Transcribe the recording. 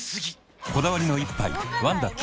こだわりの一杯「ワンダ極」